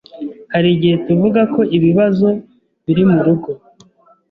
hari igihe tuvuga ko ibibazo biri mu rugo